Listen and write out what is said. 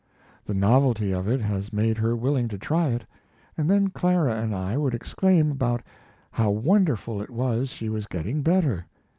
The novelty of it has made her willing to try it, and then Clara and I would exclaim about how wonderful it was she was getting better.